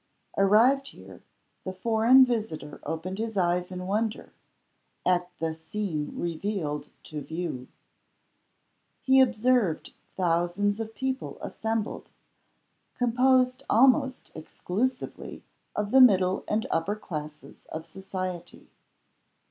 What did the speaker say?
Arrived here, the foreign visitor opened his eyes in wonder at the scene revealed to view. He observed thousands of people assembled, composed almost exclusively of the middle and upper classes of society.